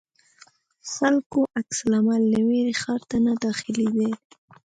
خلکو عکس العمل له وېرې ښار ته نه داخلېدی.